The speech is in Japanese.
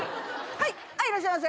はいいらっしゃいませ。